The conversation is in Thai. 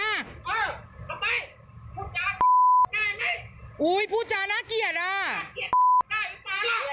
เอาไปพูดจาได้ไหมอุ้ยพูดจาน่าเกลียดอ่ะน่าเกลียดได้หรือเปล่า